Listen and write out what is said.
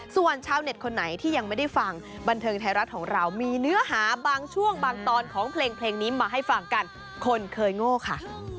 ส่วนชาวเน็ตคนไหนที่ยังไม่ได้ฟังบันเทิงไทยรัฐของเรามีเนื้อหาบางช่วงบางตอนของเพลงนี้มาให้ฟังกันคนเคยโง่ค่ะ